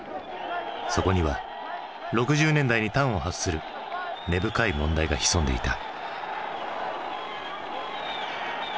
そこには６０年代に端を発する根深い問題が潜んでいた。